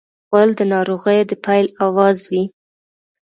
غول د ناروغۍ د پیل اواز وي.